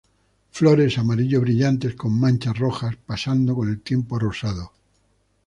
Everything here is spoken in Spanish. Flores amarillo brillantes con manchas rojas, pasando con el tiempo a rosado.